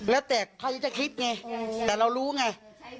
แล้วแต่ใครจะคิดไงแต่เรารู้ไง